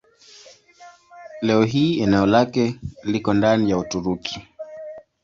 Leo hii eneo lake liko ndani ya Uturuki.